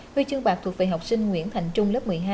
huy chương bạc thuộc về học sinh nguyễn thành trung lớp một mươi hai